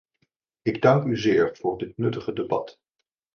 Ik dank u zeer voor dit nuttige debat.